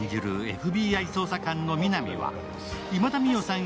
ＦＢＩ捜査官の皆実は今田美桜さん